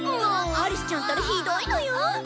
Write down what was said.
アリスちゃんたらひどいのよん！